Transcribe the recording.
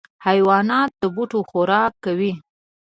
حیوانات د بوټو خوراک کوي.